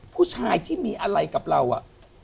ผู้ชายที่มีอะไรกับเราอ่ะ